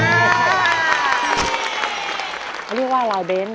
เขาเรียกว่าอะไรเบน